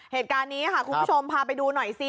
เหตุการณ์นี้ค่ะคุณผู้ชมพาไปดูหน่อยซิ